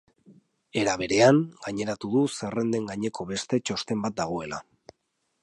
Era berean, gaineratu du zerrenden gaineko beste txosten bat dagoela.